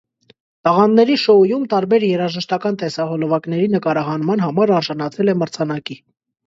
Տաղանդների շոուում տարբեր երաժշտական տեսահոլովակների նկարահանման համար արժանացել է մրցանակի։